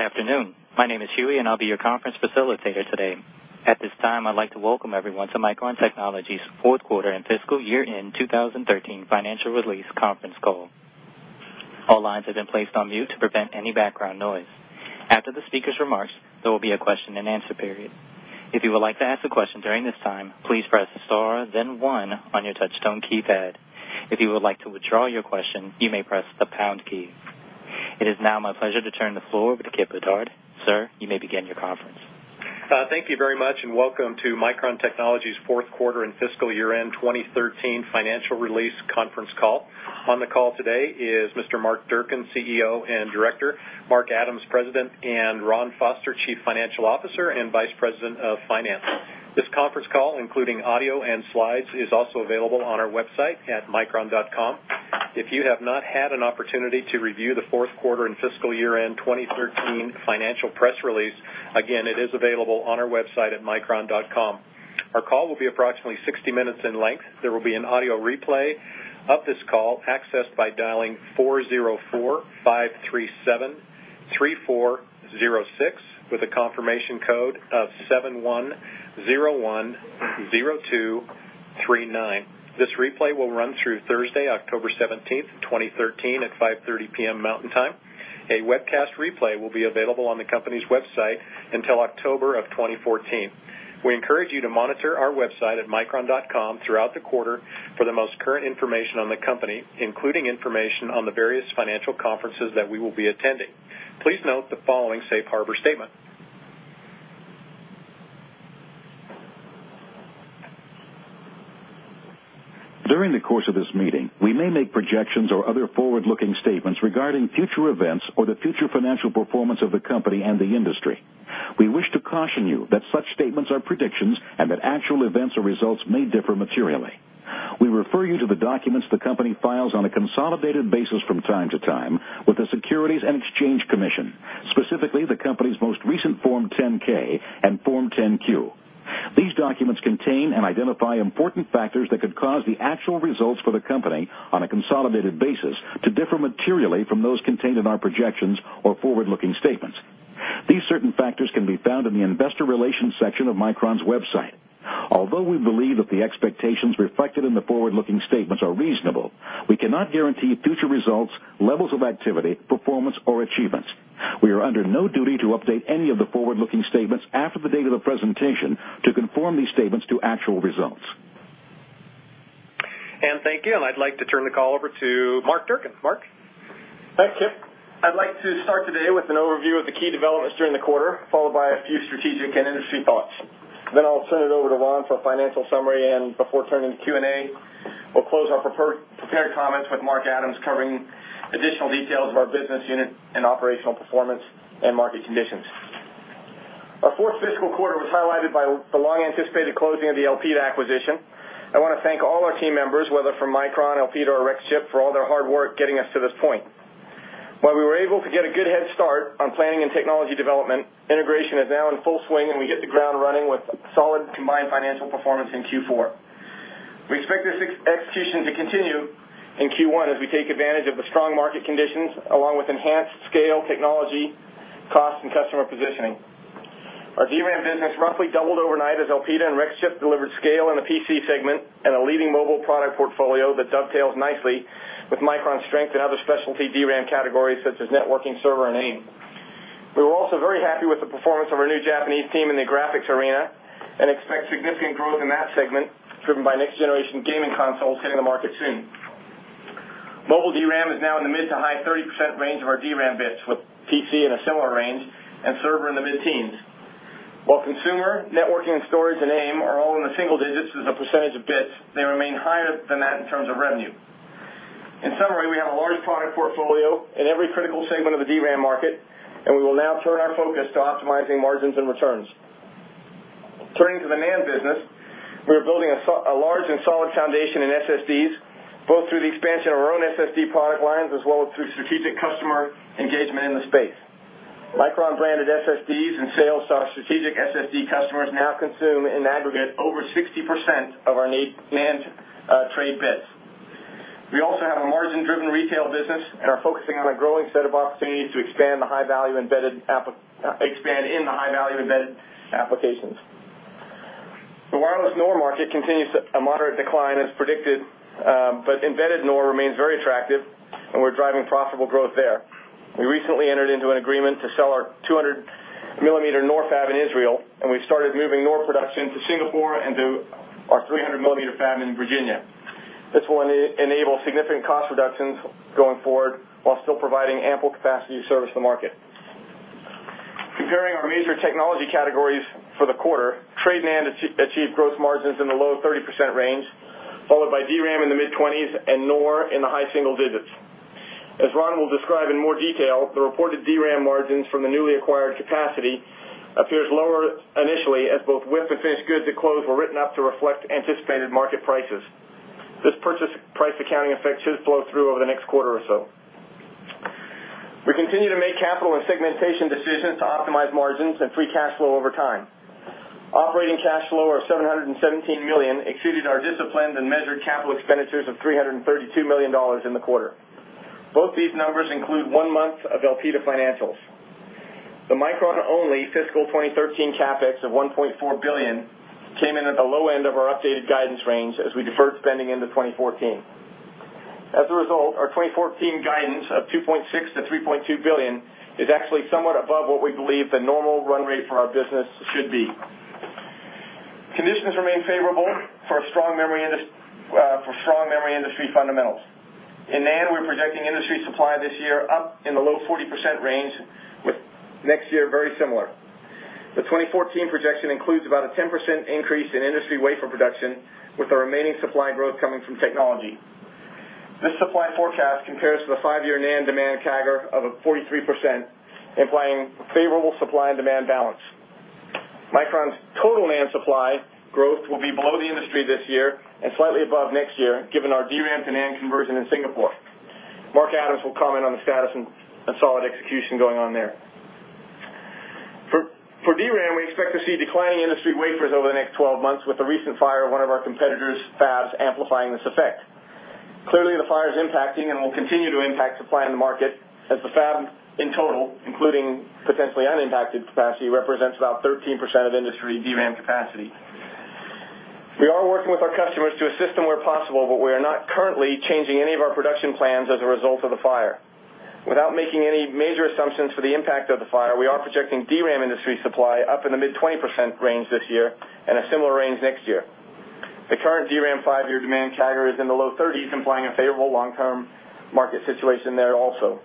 Good afternoon. My name is Huey, and I'll be your conference facilitator today. At this time, I'd like to welcome everyone to Micron Technology's fourth quarter and fiscal year-end 2013 financial release conference call. All lines have been placed on mute to prevent any background noise. After the speaker's remarks, there will be a question-and-answer period. If you would like to ask a question during this time, please press star then one on your touchtone keypad. If you would like to withdraw your question, you may press the pound key. It is now my pleasure to turn the floor over to Kip Bedard. Sir, you may begin your conference. Thank you very much. Welcome to Micron Technology's fourth quarter and fiscal year-end 2013 financial release conference call. On the call today is Mr. Mark Durcan, CEO and Director, Mark Adams, President, and Ron Foster, Chief Financial Officer and Vice President of Finance. This conference call, including audio and slides, is also available on our website at micron.com. If you have not had an opportunity to review the fourth quarter and fiscal year-end 2013 financial press release, again, it is available on our website at micron.com. Our call will be approximately 60 minutes in length. There will be an audio replay of this call accessed by dialing 404-537-3406 with a confirmation code of 71010239. This replay will run through Thursday, October 17th, 2013, at 5:30 P.M. Mountain Time. A webcast replay will be available on the company's website until October of 2014. We encourage you to monitor our website at micron.com throughout the quarter for the most current information on the company, including information on the various financial conferences that we will be attending. Please note the following safe harbor statement. During the course of this meeting, we may make projections or other forward-looking statements regarding future events or the future financial performance of the company and the industry. We wish to caution you that such statements are predictions and that actual events or results may differ materially. We refer you to the documents the company files on a consolidated basis from time to time with the Securities and Exchange Commission, specifically the company's most recent Form 10-K and Form 10-Q. These documents contain and identify important factors that could cause the actual results for the company on a consolidated basis to differ materially from those contained in our projections or forward-looking statements. These certain factors can be found in the investor relations section of Micron's website. Although we believe that the expectations reflected in the forward-looking statements are reasonable, we cannot guarantee future results, levels of activity, performance, or achievements. We are under no duty to update any of the forward-looking statements after the date of the presentation to conform these statements to actual results. Thank you. I'd like to turn the call over to Mark Durcan. Mark? Thanks, Kip. I'd like to start today with an overview of the key developments during the quarter, followed by a few strategic and industry thoughts. I'll turn it over to Ron for a financial summary, and before turning to Q&A, we'll close our prepared comments with Mark Adams covering additional details of our business unit and operational performance and market conditions. Our fourth fiscal quarter was highlighted by the long-anticipated closing of the Elpida acquisition. I want to thank all our team members, whether from Micron, Elpida, or Rexchip, for all their hard work getting us to this point. While we were able to get a good head start on planning and technology development, integration is now in full swing, and we hit the ground running with solid combined financial performance in Q4. We expect this execution to continue in Q1 as we take advantage of the strong market conditions, along with enhanced scale technology, cost, and customer positioning. Our DRAM business roughly doubled overnight as Elpida and Rexchip delivered scale in the PC segment and a leading mobile product portfolio that dovetails nicely with Micron's strength in other specialty DRAM categories such as networking, server, and AIM. We were also very happy with the performance of our new Japanese team in the graphics arena and expect significant growth in that segment, driven by next-generation gaming consoles hitting the market soon. Mobile DRAM is now in the mid to high 30% range of our DRAM bits, with PC in a similar range and server in the mid-teens. While consumer, networking, storage, and AIM are all in the single digits as a percentage of bits, they remain higher than that in terms of revenue. In summary, we have a large product portfolio in every critical segment of the DRAM market, we will now turn our focus to optimizing margins and returns. Turning to the NAND business, we are building a large and solid foundation in SSDs, both through the expansion of our own SSD product lines as well as through strategic customer engagement in the space. Micron-branded SSDs and sales to our strategic SSD customers now consume, in aggregate, over 60% of our NAND trade bits. We also have a margin-driven retail business and are focusing on a growing set of opportunities to expand in the high-value embedded applications. The wireless NOR market continues a moderate decline as predicted, but embedded NOR remains very attractive, and we're driving profitable growth there. We recently entered into an agreement to sell our 200-millimeter NOR fab in Israel, we started moving NOR production to Singapore and to our 300-millimeter fab in Virginia. This will enable significant cost reductions going forward while still providing ample capacity to service the market. Comparing our major technology categories for the quarter, trade NAND achieved gross margins in the low 30% range, followed by DRAM in the mid-20s and NOR in the high single digits. As Ron will describe in more detail, the reported DRAM margins from the newly acquired capacity appears lower initially as both WIP and finished goods at close were written up to reflect anticipated market prices. This purchase price accounting effect should flow through over the next quarter or so. We continue to make capital and segmentation decisions to optimize margins and free cash flow over time. Operating cash flow of $717 million exceeded our disciplined and measured capital expenditures of $332 million in the quarter. Both these numbers include one month of Elpida financials. The Micron-only fiscal 2013 CapEx of $1.4 billion came in at the low end of our updated guidance range as we deferred spending into 2014. Our 2014 guidance of $2.6 billion-$3.2 billion is actually somewhat above what we believe the normal run rate for our business should be. Conditions remain favorable for strong memory industry fundamentals. In NAND, we're projecting industry supply this year up in the low 40% range, with next year very similar. The 2014 projection includes about a 10% increase in industry wafer production, with the remaining supply growth coming from technology. This supply forecast compares to the five-year NAND demand CAGR of a 43%, implying favorable supply and demand balance. Micron's total NAND supply growth will be below the industry this year and slightly above next year, given our DRAM to NAND conversion in Singapore. Mark Adams will comment on the status and solid execution going on there. For DRAM, we expect to see declining industry wafers over the next 12 months, with the recent fire at one of our competitor's fabs amplifying this effect. Clearly, the fire is impacting and will continue to impact supply in the market as the fab in total, including potentially unimpacted capacity, represents about 13% of industry DRAM capacity. We are not currently changing any of our production plans as a result of the fire. Without making any major assumptions for the impact of the fire, we are projecting DRAM industry supply up in the mid-20% range this year and a similar range next year. The current DRAM five-year demand CAGR is in the low 30s, implying a favorable long-term market situation there also.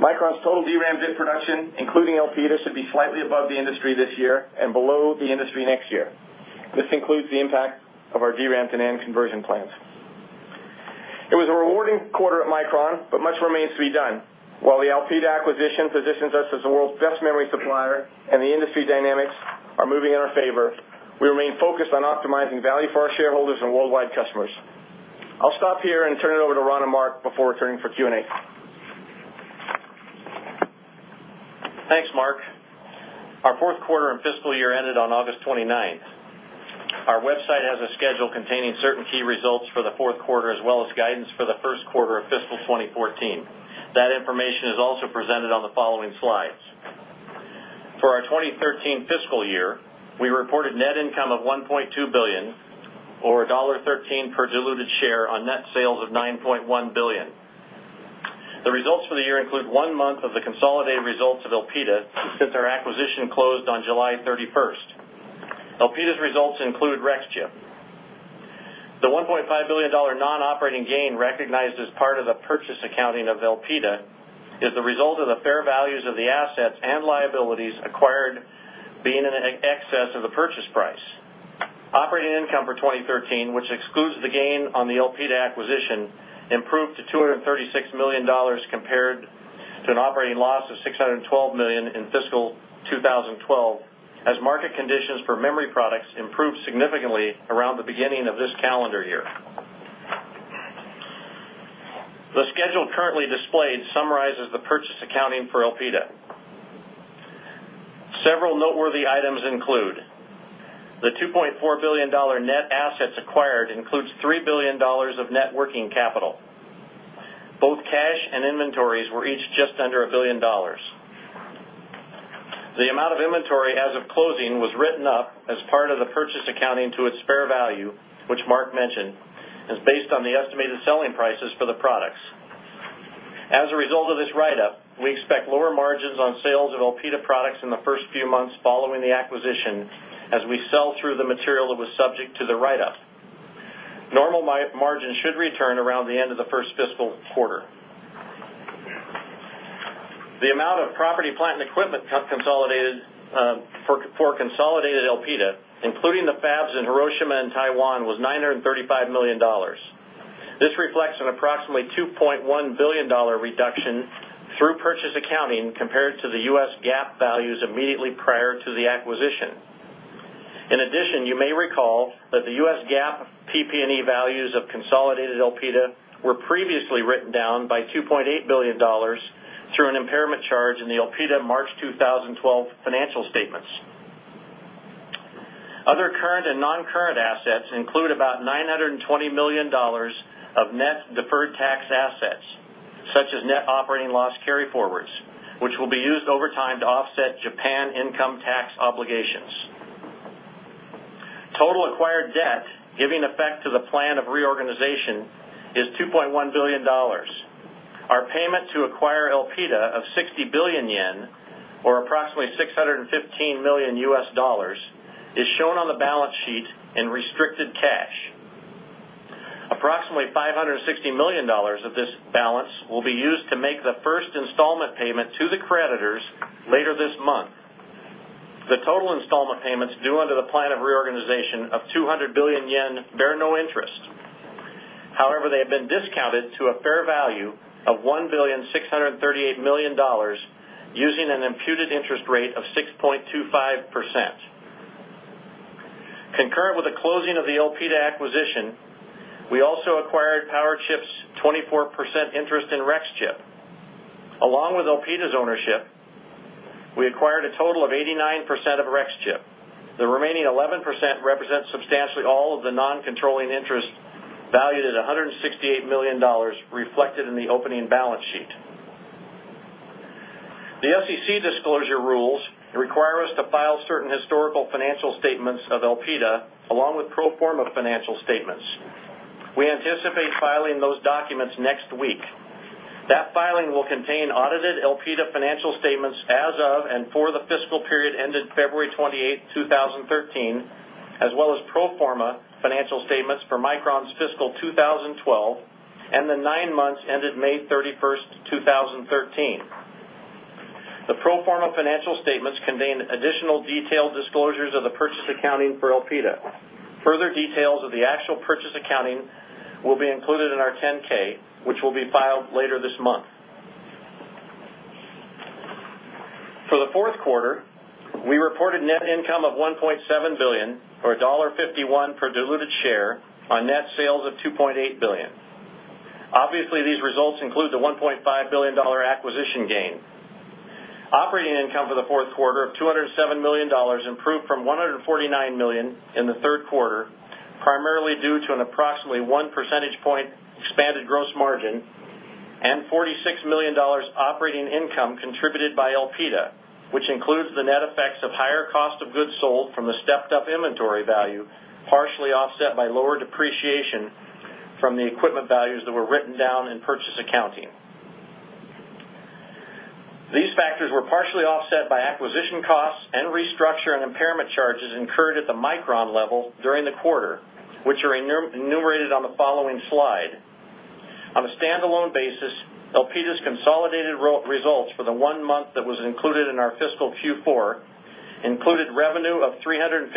Micron's total DRAM bit production, including Elpida, should be slightly above the industry this year and below the industry next year. This includes the impact of our DRAM to NAND conversion plans. It was a rewarding quarter at Micron, much remains to be done. While the Elpida acquisition positions us as the world's best memory supplier and the industry dynamics are moving in our favor, we remain focused on optimizing value for our shareholders and worldwide customers. I'll stop here and turn it over to Ron and Mark before turning for Q&A. Thanks, Mark. Our fourth quarter and fiscal year ended on August 29th. Our website has a schedule containing certain key results for the fourth quarter, as well as guidance for the first quarter of fiscal 2014. That information is also presented on the following slides. For our 2013 fiscal year, we reported net income of $1.2 billion, or $1.13 per diluted share on net sales of $9.1 billion. The results for the year include one month of the consolidated results of Elpida since our acquisition closed on July 31st. Elpida's results include Rexchip. The $1.5 billion non-operating gain recognized as part of the purchase accounting of Elpida is the result of the fair values of the assets and liabilities acquired being in excess of the purchase price. Operating income for 2013, which excludes the gain on the Elpida acquisition, improved to $236 million compared to an operating loss of $612 million in fiscal 2012, as market conditions for memory products improved significantly around the beginning of this calendar year. The schedule currently displayed summarizes the purchase accounting for Elpida. Several noteworthy items include the $2.4 billion net assets acquired includes $3 billion of net working capital. Both cash and inventories were each just under $1 billion. The amount of inventory as of closing was written up as part of the purchase accounting to its fair value, which Mark mentioned, is based on the estimated selling prices for the products. As a result of this write-up, we expect lower margins on sales of Elpida products in the first few months following the acquisition, as we sell through the material that was subject to the write-up. Normal margins should return around the end of the first fiscal quarter. The amount of property, plant, and equipment for consolidated Elpida, including the fabs in Hiroshima and Taiwan, was $935 million. This reflects an approximately $2.1 billion reduction through purchase accounting compared to the U.S. GAAP values immediately prior to the acquisition. In addition, you may recall that the U.S. GAAP, PP&E values of consolidated Elpida were previously written down by $2.8 billion through an impairment charge in the Elpida March 2012 financial statements. Other current and non-current assets include about $920 million of net deferred tax assets, such as net operating loss carryforwards, which will be used over time to offset Japan income tax obligations. Total acquired debt, giving effect to the plan of reorganization, is $2.1 billion. Our payment to acquire Elpida of 60 billion yen, or approximately $615 million, is shown on the balance sheet in restricted cash. Approximately $560 million of this balance will be used to make the first installment payment to the creditors later this month. The total installment payments due under the plan of reorganization of 200 billion yen bear no interest. However, they have been discounted to a fair value of $1.638 billion using an imputed interest rate of 6.25%. Concurrent with the closing of the Elpida acquisition, we also acquired Powerchip's 24% interest in Rexchip Elpida's ownership, we acquired a total of 89% of Rexchip. The remaining 11% represents substantially all of the non-controlling interest valued at $168 million reflected in the opening balance sheet. The SEC disclosure rules require us to file certain historical financial statements of Elpida, along with pro forma financial statements. We anticipate filing those documents next week. That filing will contain audited Elpida financial statements as of and for the fiscal period ended February 28th, 2013, as well as pro forma financial statements for Micron's fiscal 2012 and the nine months ended May 31st, 2013. The pro forma financial statements contain additional detailed disclosures of the purchase accounting for Elpida. Further details of the actual purchase accounting will be included in our 10-K, which will be filed later this month. For the fourth quarter, we reported net income of $1.7 billion, or $1.51 per diluted share on net sales of $2.8 billion. Obviously, these results include the $1.5 billion acquisition gain. Operating income for the fourth quarter of $207 million improved from $149 million in the third quarter, primarily due to an approximately one percentage point expanded gross margin and $46 million operating income contributed by Elpida, which includes the net effects of higher cost of goods sold from the stepped-up inventory value, partially offset by lower depreciation from the equipment values that were written down in purchase accounting. These factors were partially offset by acquisition costs and restructure and impairment charges incurred at the Micron level during the quarter, which are enumerated on the following slide. On a standalone basis, Elpida's consolidated results for the one month that was included in our fiscal Q4 included revenue of $355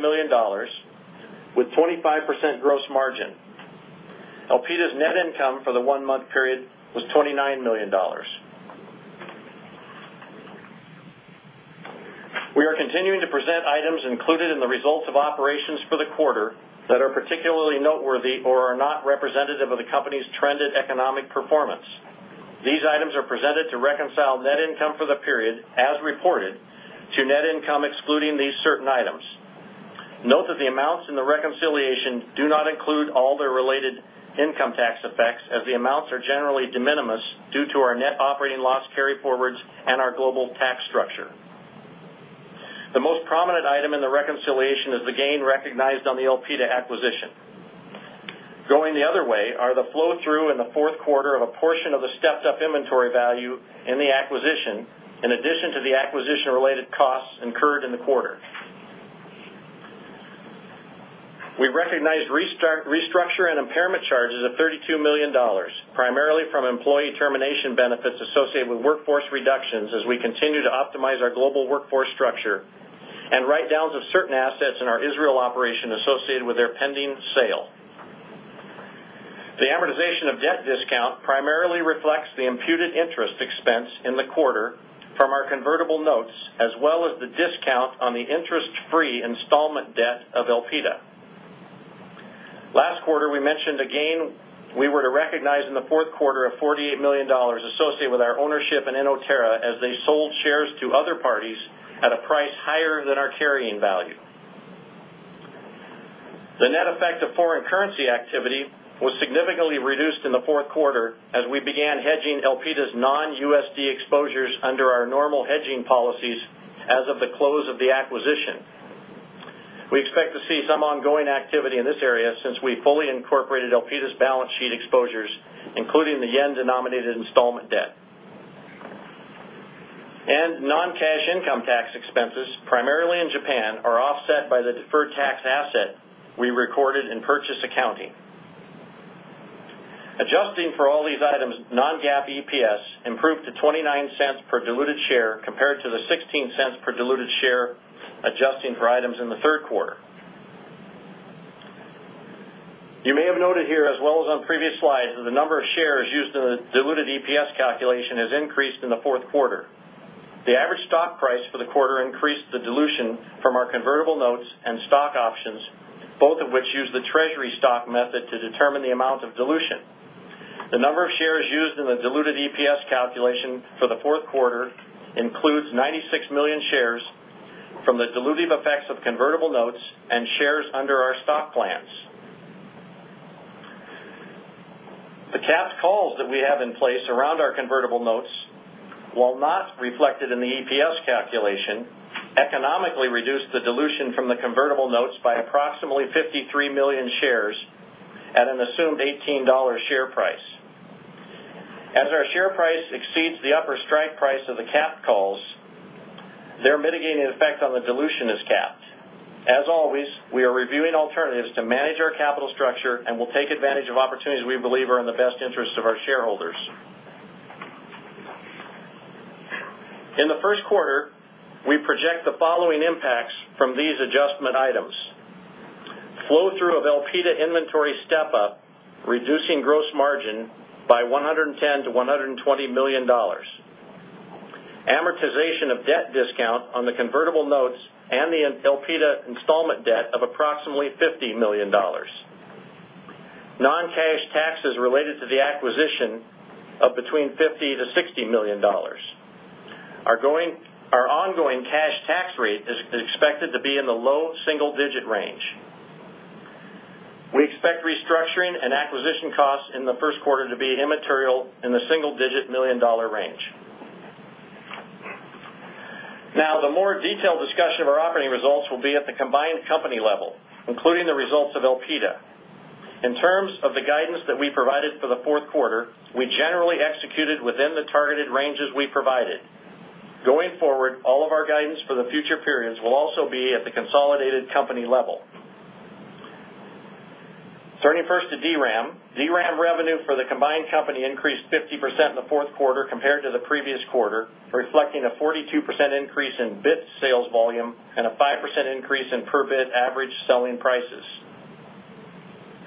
million with 25% gross margin. Elpida's net income for the one-month period was $29 million. We are continuing to present items included in the results of operations for the quarter that are particularly noteworthy or are not representative of the company's trended economic performance. These items are presented to reconcile net income for the period as reported to net income excluding these certain items. Note that the amounts in the reconciliation do not include all the related income tax effects, as the amounts are generally de minimis due to our net operating loss carryforwards and our global tax structure. The most prominent item in the reconciliation is the gain recognized on the Elpida acquisition. Going the other way are the flow-through in the fourth quarter of a portion of the stepped-up inventory value in the acquisition, in addition to the acquisition-related costs incurred in the quarter. We recognized restructure and impairment charges of $32 million, primarily from employee termination benefits associated with workforce reductions as we continue to optimize our global workforce structure and write-downs of certain assets in our Israel operation associated with their pending sale. The amortization of debt discount primarily reflects the imputed interest expense in the quarter from our convertible notes, as well as the discount on the interest-free installment debt of Elpida. Last quarter, we mentioned a gain we were to recognize in the fourth quarter of $48 million associated with our ownership in Inotera as they sold shares to other parties at a price higher than our carrying value. The net effect of foreign currency activity was significantly reduced in the fourth quarter as we began hedging Elpida's non-USD exposures under our normal hedging policies as of the close of the acquisition. We expect to see some ongoing activity in this area since we fully incorporated Elpida's balance sheet exposures, including the JPY-denominated installment debt. Non-cash income tax expenses, primarily in Japan, are offset by the deferred tax asset we recorded in purchase accounting. Adjusting for all these items, non-GAAP EPS improved to $0.29 per diluted share compared to the $0.16 per diluted share adjusting for items in the third quarter. You may have noted here, as well as on previous slides, that the number of shares used in the diluted EPS calculation has increased in the fourth quarter. The average stock price for the quarter increased the dilution from our convertible notes and stock options, both of which use the treasury stock method to determine the amount of dilution. The number of shares used in the diluted EPS calculation for the fourth quarter includes 96 million shares from the dilutive effects of convertible notes and shares under our stock plans. The capped calls that we have in place around our convertible notes, while not reflected in the EPS calculation, economically reduced the dilution from the convertible notes by approximately 53 million shares at an assumed $18 share price. As our share price exceeds the upper strike price of the capped calls, their mitigating effect on the dilution is capped. As always, we are reviewing alternatives to manage our capital structure and will take advantage of opportunities we believe are in the best interests of our shareholders. In the first quarter, we project the following impacts from these adjustment items. Flow-through of Elpida inventory step-up, reducing gross margin by $110 million-$120 million. Amortization of debt discount on the convertible notes and the Elpida installment debt of approximately $50 million. Non-cash taxes related to the acquisition of between $50 million and $60 million. Our ongoing cash tax rate is expected to be in the low single-digit range. We expect restructuring and acquisition costs in the first quarter to be immaterial in the single-digit million-dollar range. The more detailed discussion of our operating results will be at the combined company level, including the results of Elpida. In terms of the guidance that we provided for the fourth quarter, we generally executed within the targeted ranges we provided. Going forward, all of our guidance for the future periods will also be at the consolidated company level. Turning first to DRAM. DRAM revenue for the combined company increased 50% in the fourth quarter compared to the previous quarter, reflecting a 42% increase in bit sales volume and a 5% increase in per-bit average selling prices.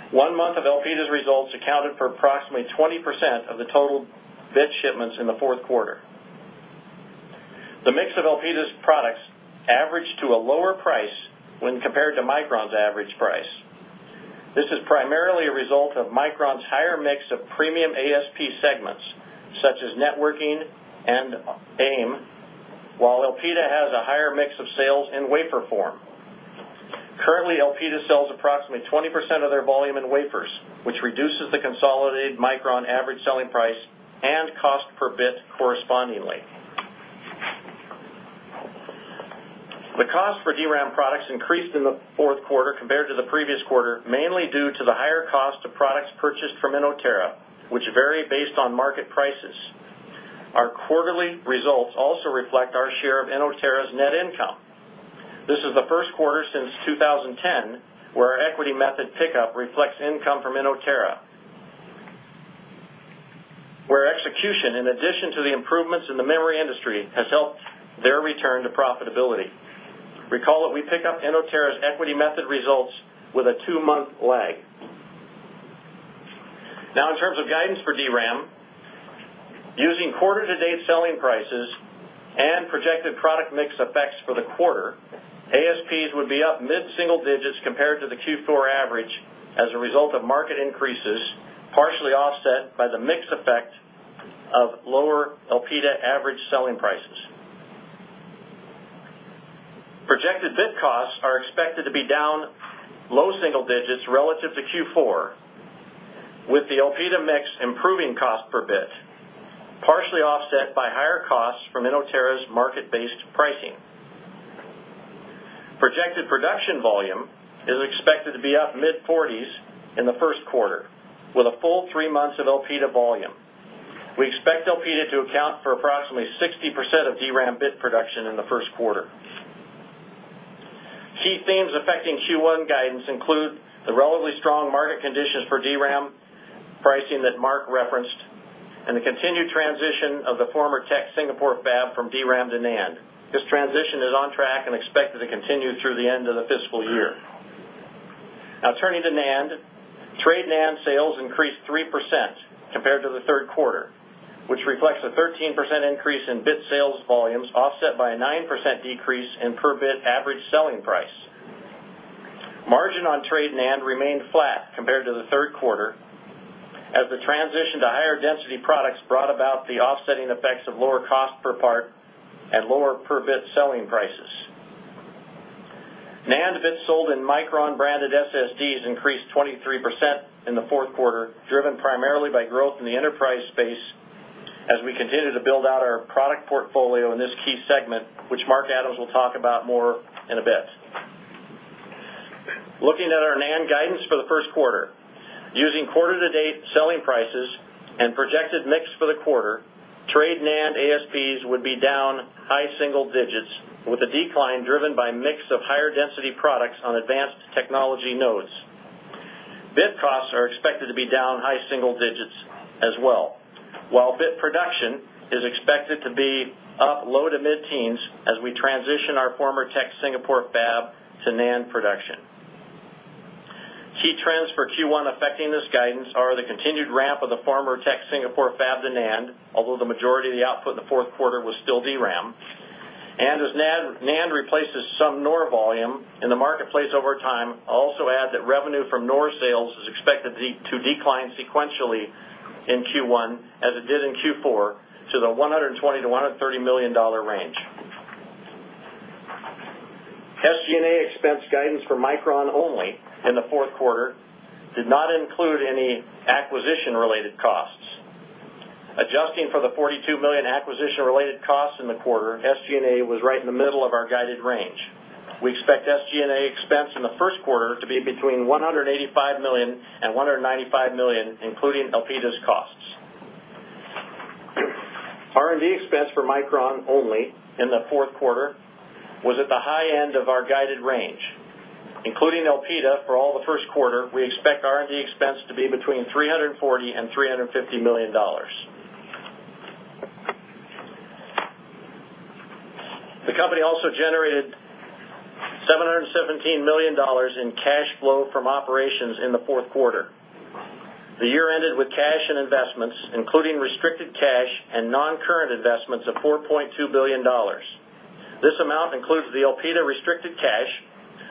One month of Elpida's results accounted for approximately 20% of the total bit shipments in the fourth quarter. The mix of Elpida's products averaged to a lower price when compared to Micron's average price. This is primarily a result of Micron's higher mix of premium ASP segments, such as networking and AIM, while Elpida has a higher mix of sales in wafer form. Currently, Elpida sells approximately 20% of their volume in wafers, which reduces the consolidated Micron average selling price and cost per bit correspondingly. The cost for DRAM products increased in the fourth quarter compared to the previous quarter, mainly due to the higher cost of products purchased from Inotera, which vary based on market prices. Our quarterly results also reflect our share of Inotera's net income. This is the first quarter since 2010 where our equity method pickup reflects income from Inotera, where execution, in addition to the improvements in the memory industry, has helped their return to profitability. Recall that we pick up Inotera's equity method results with a two-month lag. In terms of guidance for DRAM, using quarter-to-date selling prices and projected product mix effects for the quarter, ASPs would be up mid-single digits compared to the Q4 average as a result of market increases, partially offset by the mix effect of lower Elpida average selling prices. Projected bit costs are expected to be down low single digits relative to Q4, with the Elpida mix improving cost per bit, partially offset by higher costs from Inotera's market-based pricing. Projected production volume is expected to be up mid-40s in the first quarter, with a full three months of Elpida volume. We expect Elpida to account for approximately 60% of DRAM bit production in the first quarter. Key themes affecting Q1 guidance include the relatively strong market conditions for DRAM pricing that Mark referenced, and the continued transition of the former Tech Singapore fab from DRAM to NAND. This transition is on track and expected to continue through the end of the fiscal year. Turning to NAND, trade NAND sales increased 3% compared to the third quarter, which reflects a 13% increase in bit sales volumes, offset by a 9% decrease in per-bit average selling price. Margin on trade NAND remained flat compared to the third quarter, as the transition to higher-density products brought about the offsetting effects of lower cost per part and lower per-bit selling prices. NAND bits sold in Micron-branded SSDs increased 23% in the fourth quarter, driven primarily by growth in the enterprise space as we continue to build out our product portfolio in this key segment, which Mark Adams will talk about more in a bit. Looking at our NAND guidance for the first quarter, using quarter-to-date selling prices and projected mix for the quarter, trade NAND ASPs would be down high single digits with a decline driven by a mix of higher-density products on advanced technology nodes. Bit costs are expected to be down high single digits as well, while bit production is expected to be up low to mid-teens as we transition our former Tech Singapore fab to NAND production. Key trends for Q1 affecting this guidance are the continued ramp of the former Tech Singapore fab to NAND, although the majority of the output in the fourth quarter was still DRAM. As NAND replaces some NOR volume in the marketplace over time, I'll also add that revenue from NOR sales is expected to decline sequentially in Q1 as it did in Q4 to the $120 million-$130 million range. SG&A expense guidance for Micron only in the fourth quarter did not include any acquisition-related costs. Adjusting for the $42 million acquisition-related costs in the quarter, SG&A was right in the middle of our guided range. We expect SG&A expense in the first quarter to be between $185 million-$195 million, including Elpida's costs. R&D expense for Micron only in the fourth quarter was at the high end of our guided range. Including Elpida for all the first quarter, we expect R&D expense to be between $340 million-$350 million. The company also generated $717 million in cash flow from operations in the fourth quarter. The year ended with cash and investments, including current investments of $4.2 billion. This amount includes the Elpida restricted cash,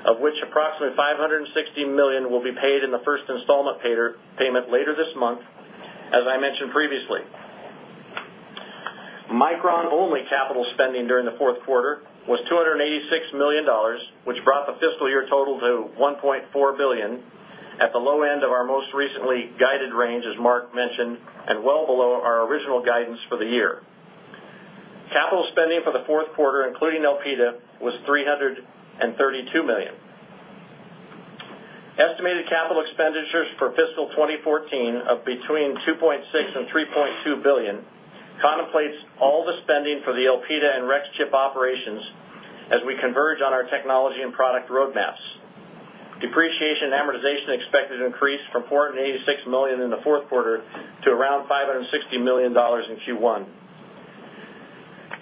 of which approximately $560 million will be paid in the first installment payment later this month, as I mentioned previously. Micron-only capital spending during the fourth quarter was $286 million, which brought the fiscal year total to $1.4 billion at the low end of our most recently guided range, as Mark mentioned, and well below our original guidance for the year. Capital spending for the fourth quarter, including Elpida, was $332 million. Estimated capital expenditures for fiscal 2014 of between $2.6 billion-$3.2 billion contemplates all the spending for the Elpida and Rexchip operations as we converge on our technology and product roadmaps. Depreciation and amortization expected to increase from $486 million in the fourth quarter to around $560 million in Q1.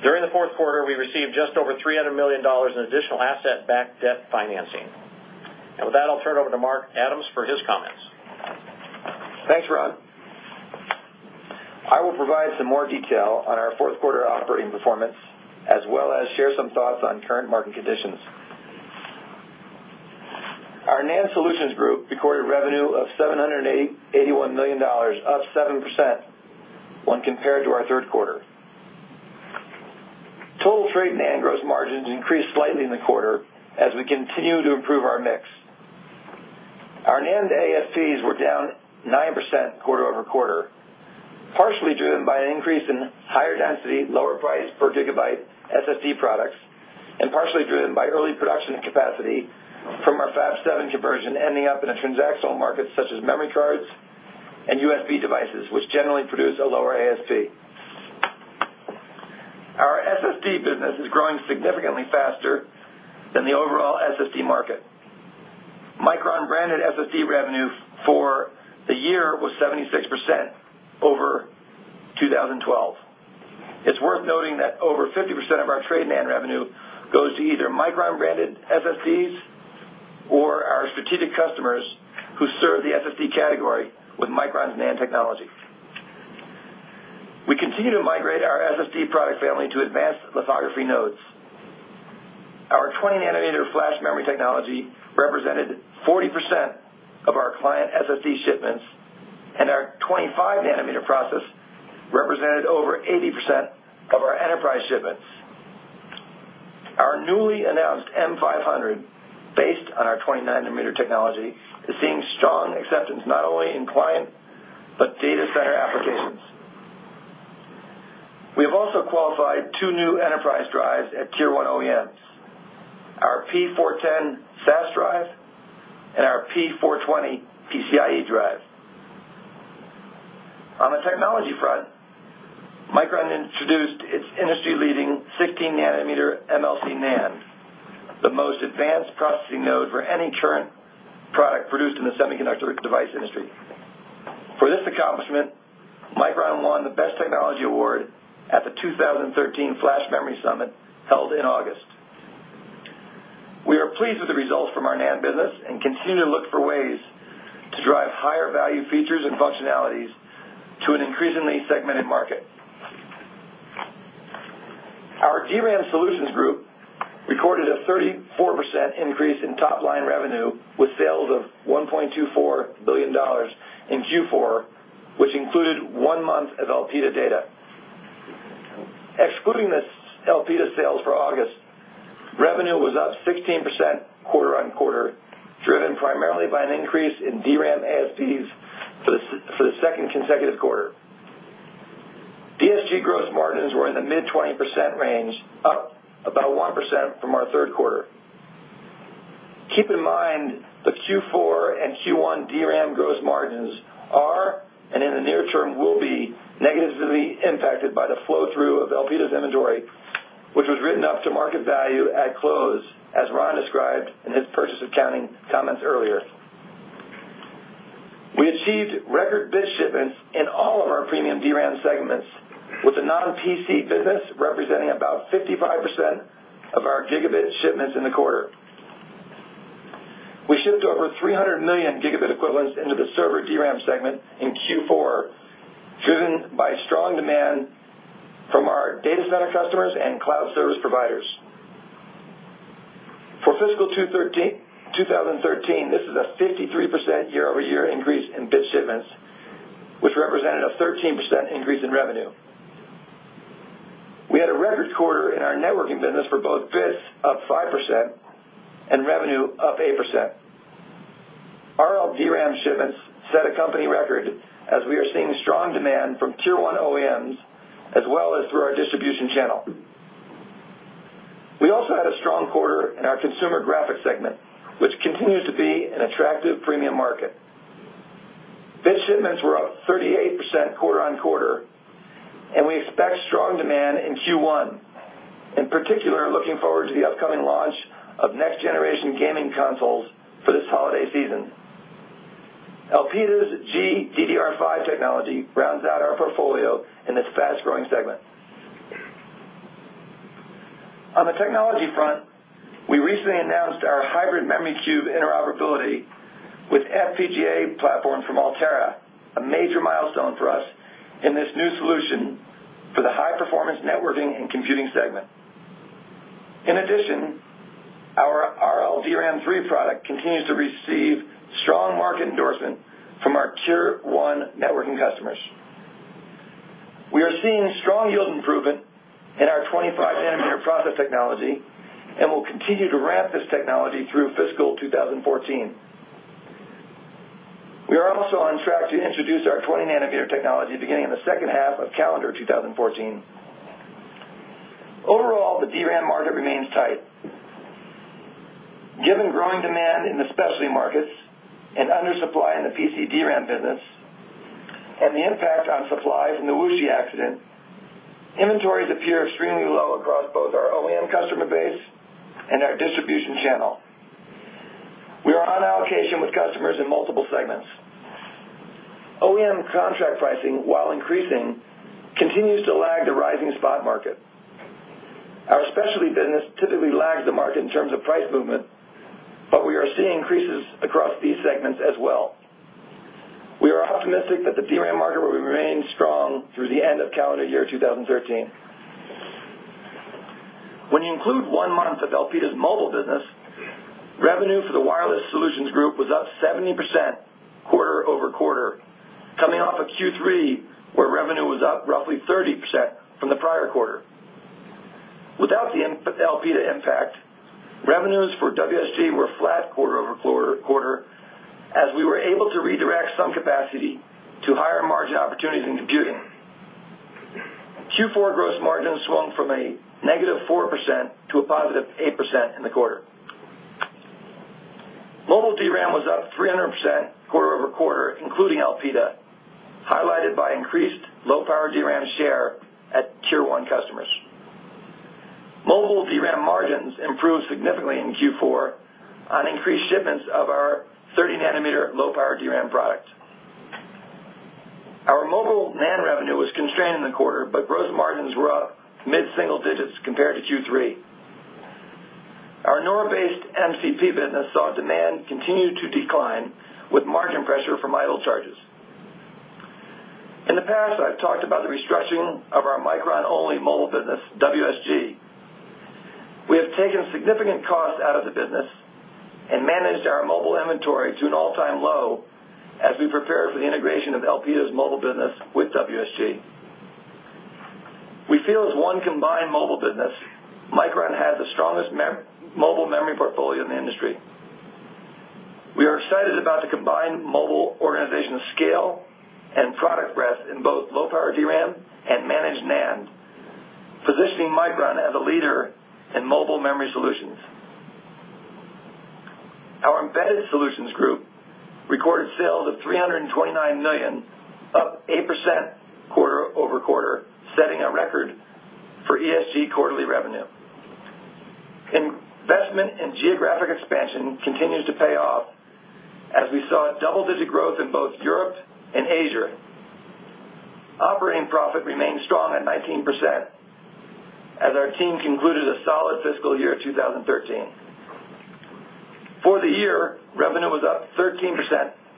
During the fourth quarter, we received just over $300 million in additional asset-backed debt financing. With that, I'll turn it over to Mark Adams for his comments. Thanks, Ron. I will provide some more detail on our fourth quarter operating performance, as well as share some thoughts on current market conditions. Our NAND Solutions Group recorded revenue of $781 million, up 7% when compared to our third quarter. Total trade NAND gross margins increased slightly in the quarter as we continue to improve our mix. Our NAND ASPs were down 9% quarter-over-quarter, partially driven by an increase in higher density, lower price per gigabyte SSD products, and partially driven by early production capacity from our F7 conversion ending up in a transactional market such as memory cards and USB devices, which generally produce a lower ASP. Our SSD business is growing significantly faster than the overall SSD market. Micron-branded SSD revenue for the year was 76% over 2012. It's worth noting that over 50% of our trade NAND revenue goes to either Micron-branded SSDs or our strategic customers who serve the SSD category with Micron's NAND technology. We continue to migrate our SSD product family to advanced lithography nodes. Our 20-nanometer flash memory technology represented 40% of our client SSD shipments, and our 25-nanometer process represented over 80% of our enterprise shipments. Our newly announced M500, based on our 20-nanometer technology, is seeing strong acceptance not only in client but data center applications. We have also qualified two new enterprise drives at Tier 1 OEMs, our P410 SAS drive and our P420 PCIe drive. On the technology front, Micron introduced its industry-leading 16-nanometer MLC NAND, the most advanced processing node for any current product produced in the semiconductor device industry. For this accomplishment, Micron won the Best Technology Award at the 2013 Flash Memory Summit held in August. We are pleased with the results from our NAND business and continue to look for ways to drive higher-value features and functionalities to an increasingly segmented market. Our DRAM Solutions Group recorded a 34% increase in top-line revenue, with sales of $1.24 billion in Q4, which included one month of Elpida data. Excluding the Elpida sales for August, revenue was up 16% quarter-on-quarter, driven primarily by an increase in DRAM ASPs for the second consecutive quarter. DSG gross margins were in the mid-20% range, up about 1% from our third quarter. Keep in mind that Q4 and Q1 DRAM gross margins are, and in the near term will be, negatively impacted by the flow-through of Elpida's inventory, which was written up to market value at close, as Ron described in his purchase accounting comments earlier. We achieved record bit shipments in all of our premium DRAM segments, with the non-PC business representing about 55% of our gigabit shipments in the quarter. We shipped over 300 million gigabit equivalents into the server DRAM segment in Q4, driven by strong demand from our data center customers and cloud service providers. For fiscal 2013, this is a 53% year-over-year increase in bit shipments, which represented a 13% increase in revenue. We had a record quarter in our networking business for both bits, up 5%, and revenue, up 8%. RLDRAM shipments set a company record, as we are seeing strong demand from Tier 1 OEMs as well as through our distribution channel. We also had a strong quarter in our consumer graphics segment, which continues to be an attractive premium market. Bit shipments were up 38% quarter-on-quarter, and we expect strong demand in Q1. In particular, looking forward to the upcoming launch of next-generation gaming consoles for this holiday season. Elpida's GDDR5 technology rounds out our portfolio in this fast-growing segment. On the technology front, we recently announced our Hybrid Memory Cube interoperability with FPGA platform from Altera, a major milestone for us in this new solution for the high-performance networking and computing segment. In addition, our RLDRAM 3 product continues to receive strong market endorsement from our tier 1 networking customers. We are seeing strong yield improvement in our 25-nanometer process technology, and will continue to ramp this technology through fiscal 2014. We are also on track to introduce our 20-nanometer technology beginning in the second half of calendar 2014. Overall, the DRAM market remains tight. Given growing demand in the specialty markets and undersupply in the PC DRAM business, and the impact on supply from the Wuxi accident, inventories appear extremely low across both our OEM customer base and our distribution channel. We are on allocation with customers in multiple segments. OEM contract pricing, while increasing, continues to lag the rising spot market. Our specialty business typically lags the market in terms of price movement, but we are seeing increases across these segments as well. We are optimistic that the DRAM market will remain strong through the end of calendar year 2013. When you include one month of Elpida's mobile business, revenue for the Wireless Solutions Group was up 70% quarter-over-quarter, coming off of Q3, where revenue was up roughly 30% from the prior quarter. Without the Elpida impact, revenues for WSG were flat quarter-over-quarter, as we were able to redirect some capacity to higher-margin opportunities in computing. Q4 gross margins swung from a -4% to a positive 8% in the quarter. Mobile DRAM was up 300% quarter-over-quarter, including Elpida, highlighted by increased Low-Power DRAM share at tier 1 customers. Mobile DRAM margins improved significantly in Q4 on increased shipments of our 30-nanometer Low-Power DRAM products. Our mobile NAND revenue was constrained in the quarter, but gross margins were up mid-single digits compared to Q3. Our NOR-based MCP business saw demand continue to decline, with margin pressure from idle charges. In the past, I've talked about the restructuring of our Micron-only mobile business, WSG. We have taken significant costs out of the business and managed our mobile inventory to an all-time low as we prepare for the integration of Elpida's mobile business with WSG. We feel as one combined mobile business, Micron has the strongest mobile memory portfolio in the industry. We are excited about the combined mobile organization of scale and product breadth in both Low-Power DRAM and managed NAND, positioning Micron as a leader in mobile memory solutions. Our Embedded Solutions Group recorded sales of $329 million, up 8% quarter-over-quarter, setting a record for ESG quarterly revenue. Investment in geographic expansion continues to pay off as we saw double-digit growth in both Europe and Asia. Operating profit remained strong at 19% as our team concluded a solid fiscal year 2013. For the year, revenue was up 13%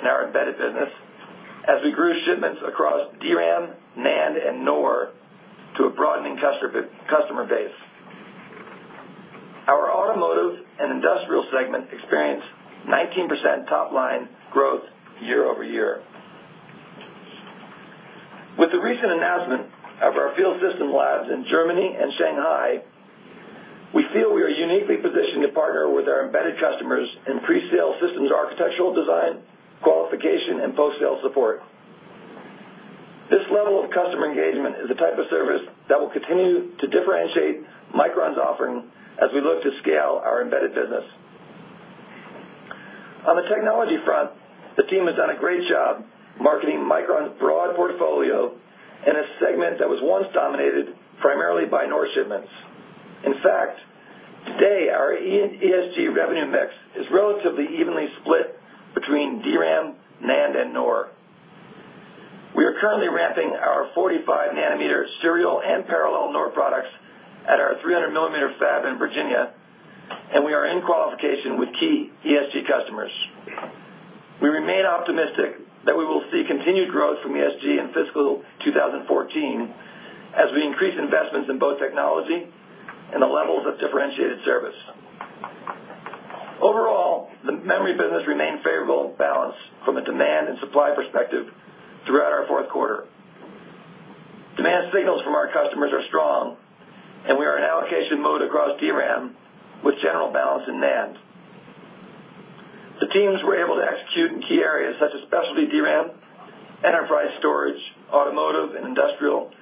in our embedded business as we grew shipments across DRAM, NAND, and NOR to a broadening customer base. Our automotive and industrial segment experienced 19% top-line growth year-over-year. With the recent announcement of our field system labs in Germany and Shanghai, we feel we are uniquely positioned to partner with our embedded customers in pre-sale systems architectural design, qualification, and post-sale support. This level of customer engagement is the type of service that will continue to differentiate Micron's offering as we look to scale our embedded business. On the technology front, the team has done a great job marketing Micron's broad portfolio in a segment that was once dominated primarily by NOR shipments. In fact, today, our ESG revenue mix is relatively evenly split between DRAM, NAND, and NOR. We are currently ramping our 45-nanometer serial and parallel NOR products at our 300-millimeter fab in Virginia, we are in qualification with key ESG customers. We remain optimistic that we will see continued growth from ESG in fiscal 2014 as we increase investments in both technology and the levels of differentiated service. Overall, the memory business remained favorably balanced from a demand and supply perspective throughout our fourth quarter. Demand signals from our customers are strong, we are in allocation mode across DRAM, with general balance in NAND. The teams were able to execute in key areas such as specialty DRAM, enterprise storage, automotive and industrial,